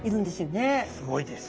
すごいです。